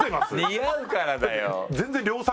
似合うからだよ。